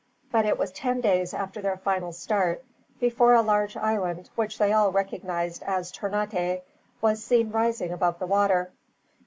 But it was ten days after their final start before a large island, which they all recognized as Ternate, was seen rising above the water.